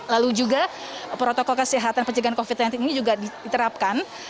lalu juga protokol kesehatan pencegahan covid sembilan belas ini juga diterapkan